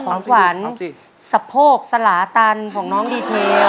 ของขวัญสะโพกสลาตันของน้องดีเทล